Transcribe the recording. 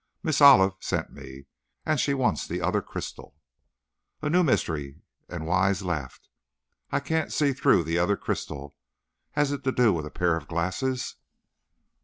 "Miss Olive sent me. And she wants the other crystal." "A new mystery?" and Wise laughed. "I can't see through the other crystal! Has it to do with a pair of glasses?"